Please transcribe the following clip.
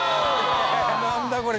何だ？